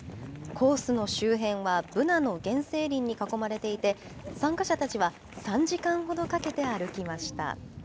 コースの周辺はブナの原生林に囲まれていて、参加者たちは、３時間ほどかけて歩きました。